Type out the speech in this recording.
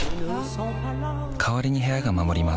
代わりに部屋が守ります